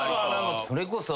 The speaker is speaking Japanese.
それこそ。